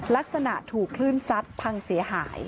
ลักษณะถูกคลื่นซัดพังเสียหาย